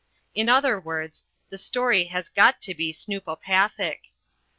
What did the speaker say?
In other words, the story has got to be snoopopathic.